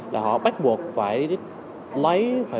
là họ bắt buộc phải